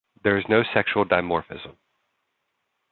There is no sexual dimorphism.